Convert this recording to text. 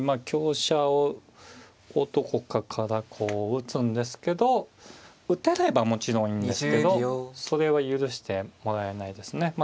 香車をどこかからこう打つんですけど打てればもちろんいいんですけどそれは許してもらえないですね。